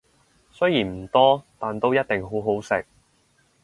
雖然唔多，但都一定好好食